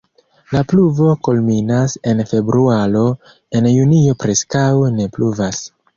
La pluvo kulminas en februaro, en junio preskaŭ ne pluvas.